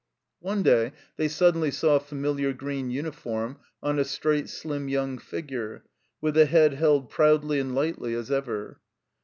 One day they suddenly saw a familiar green uniform on a straight, slim young figure, with the head held proudly and lightly as ever.